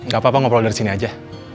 gapapa ngobrol dari sini aja